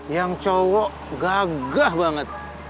yang cowok gagah banget